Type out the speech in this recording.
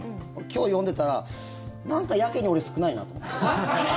今日、読んでたらなんかやけに俺少ないなと思って。